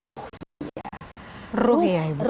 ruh ya iubah